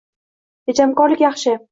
Tejamkorlik yaxshi